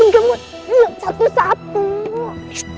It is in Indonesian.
nggak mau lihat satu satu